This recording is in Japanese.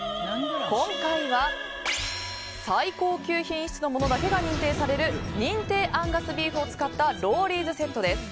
今回は最高級品質のものだけが認定される認定アンガスビーフを使ったロウリーズセットです。